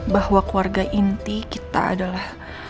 bahwa keluarga inti kita adalah